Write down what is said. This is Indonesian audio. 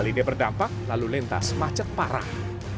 kali ini berdampak lalu lintas macet parah